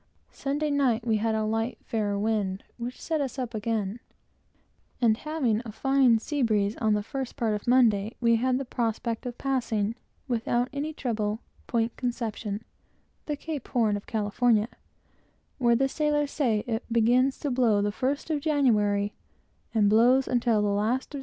Sunday night we had a light, fair wind, which set us up again; and having a fine sea breeze on the first part of Monday, we had the prospect of passing, without any trouble, Point Conception, the Cape Horn of California, where it begins to blow the first of January, and blows all the year round.